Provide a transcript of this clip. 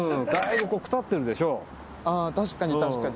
あ確かに確かに。